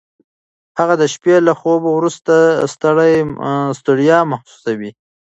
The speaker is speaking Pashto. هغه د شپې له خوبه وروسته ستړی محسوسوي.